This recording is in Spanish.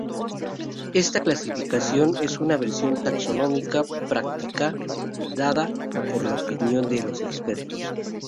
Esta clasificación es una visión taxonómica práctica dada por la opinión de los expertos.